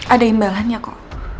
ada imbalannya kok